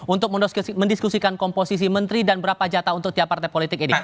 untuk mendiskusikan komposisi menteri dan berapa jatah untuk tiap partai politik ini